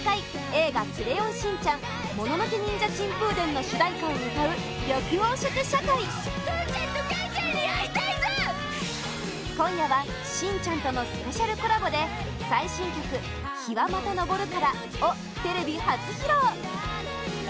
「映画クレヨンしんちゃんもののけニンジャ珍風伝」の主題歌を歌う緑黄色社会今夜はしんちゃんとのスペシャルコラボで最新曲「陽はまた昇るから」をテレビ初披露